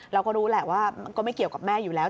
เราก็รู้แหละว่ามันก็ไม่เกี่ยวกับแม่อยู่แล้ว